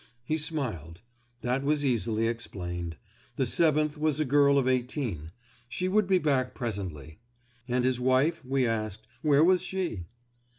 He smiled. That was easily explained. The seventh was a girl of eighteen; she would be back presently. And his wife, we asked, where was she?